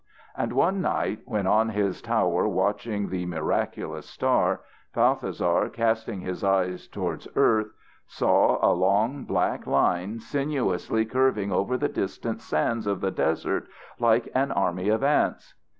And one night, when on his tower watching the miraculous star, Balthasar, casting his eyes towards earth, saw along black line sinuously curving over the distant sands of the desert like an army of ants.